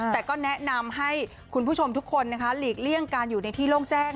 แต่ก็แนะนำให้คุณผู้ชมทุกคนหลีกเลี่ยงการอยู่ในที่โล่งแจ้ง